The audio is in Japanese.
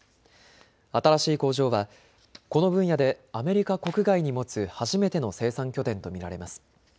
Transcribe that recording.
新しい工場はこの分野でアメリカ国外に持つ初めての生産拠点と見られます。